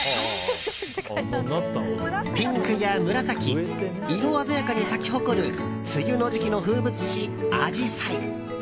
ピンクや紫色鮮やかに咲き誇る梅雨の時期の風物詩、アジサイ。